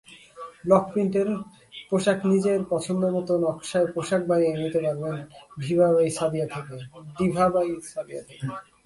ব্লকপ্রিন্টের পোশাকনিজের পছন্দমতো নকশায় পোশাক বানিয়ে নিতে পারবেন ডিভা বাই সাদিয়া থেকে।